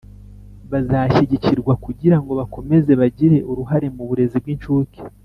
bazashyigikirwa kugirango bakomeze bagire uruhare mu burezi bw'incuke